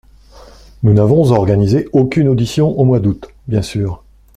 Nous n’avons organisé aucune audition au mois d’août, bien sûr.